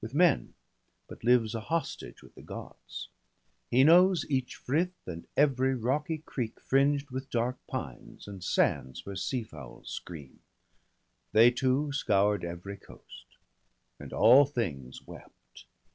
With men, but lives a hostage with the Gods; He knows each frith, and every rocky creek Fringed with dark pines, and sands where seafowl scream ;— They two scour'd every coast, and all things wept.